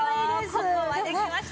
ここまできました。